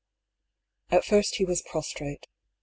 At first he was prostrate.